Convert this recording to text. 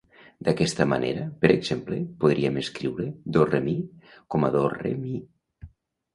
D'aquesta manera, per exemple, podríem escriure "do-re-mi" com a do-rë-mî.